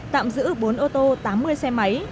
tạm giữ bốn ô tô tám mươi xe máy